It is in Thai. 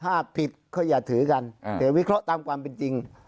ถ้าผิดก็อย่าถือกันแต่วิเคราะห์ตามความเป็นจริง